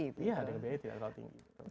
iya dengan biaya tidak terlalu tinggi